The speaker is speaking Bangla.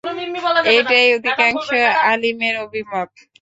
এটাই অধিকাংশ আলিমের অভিমত।